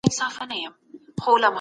ولسمشر د چاپیریال ساتنې هوکړه نه ماتوي.